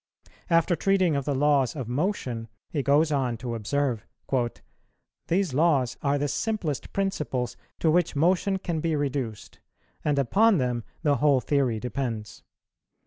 After treating of the laws of motion, he goes on to observe, "These laws are the simplest principles to which motion can be reduced, and upon them the whole theory depends.